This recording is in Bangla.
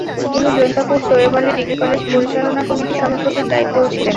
তিনি জৈন্তাপুর তৈয়ব আলী ডিগ্রি কলেজ পরিচালনা কমিটির সভাপতির দায়িত্বেও ছিলেন।